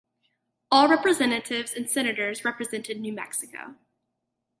All representatives and senators represented New Mexico.